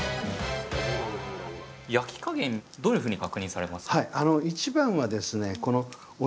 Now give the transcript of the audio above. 焼き加減どういうふうに確認されますか？